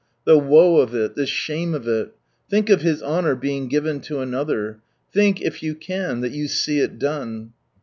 The woe of it, the shame of it. Think of His honour being given to another. Think, if you can, that you see it done.